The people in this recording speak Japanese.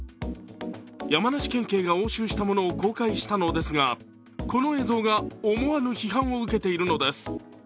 山梨県警が押収したものを公開したのですがこの映像が思わぬ批判を受けているのです。